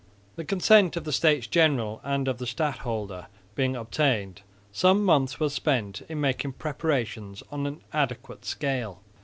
The consent of the States General and of the stadholder being obtained, some months were spent in making preparations on an adequate scale.